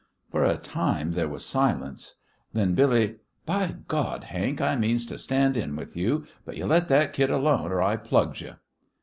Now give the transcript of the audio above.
For a time there was silence. Then Billy, "By God, Hank, I means to stand in with you, but you let that kid alone, or I plugs you!"